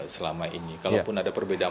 selama ini kalaupun ada perbedaan